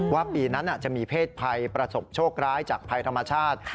ว่าปีนั้นจะมีเพศภัยประสบโชคร้ายจากภัยธรรมชาติ